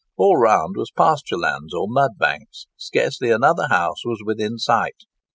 All round was pasture land or mud banks; scarcely another house was within sight.